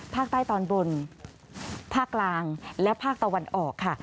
ภาคใต้ตอนบนภาคกลางและภาคตะวันออกค่ะ